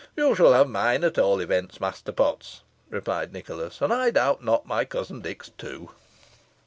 "You shall have mine, at all events, Master Potts," replied Nicholas; "and I doubt not, my cousin Dick's, too."